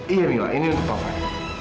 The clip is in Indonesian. iya mila ini untuk taufan